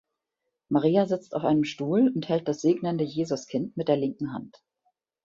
Maria sitzt auf einem Stuhl und hält das segnende Jesuskind mit der linken Hand.